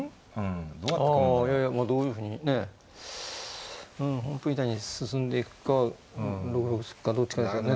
いやいやどういうふうにねうん本譜みたいに進んでいくか６六にするかどっちかでしょうね。